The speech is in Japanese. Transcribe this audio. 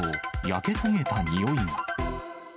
焼け焦げた臭いが。